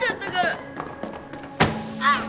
あっ！